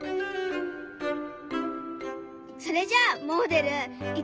それじゃあもおでるいくよ！